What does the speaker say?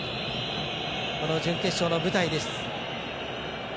この準決勝の舞台です。